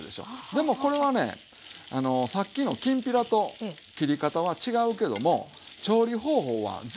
でもこれはねさっきのきんぴらと切り方は違うけども調理方法は全部一緒やと思って下さい。